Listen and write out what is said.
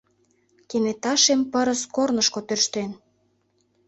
Кенета шем пырыс корнышко тӧрштен.